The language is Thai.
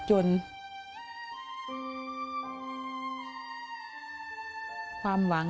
พ่อลูกรู้สึกปวดหัวมาก